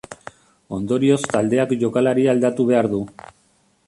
Ondorioz taldeak jokalaria aldatu behar du.